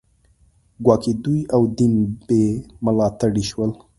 ګواکې دوی او دین بې ملاتړي شول